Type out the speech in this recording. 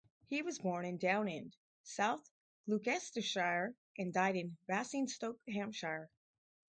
He was born in Downend, South Gloucestershire and died in Basingstoke, Hampshire.